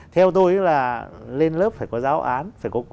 theo tôi là lên lớp phải có giáo án